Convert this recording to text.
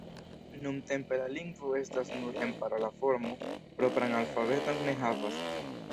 Nuntempe la lingvo estas nur en parola formo, propran alfabeton ne havas.